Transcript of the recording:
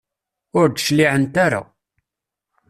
ur d-cliɛent ara.